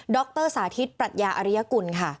รสาธิตปรัชญาอริยกุลค่ะ